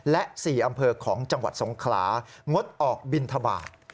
และ๔อำเภอของจังหวัดสงขลางดออกบินทบาท